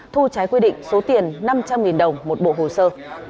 thu trái quy định số tiền năm trăm linh đồng một bộ hồ sơ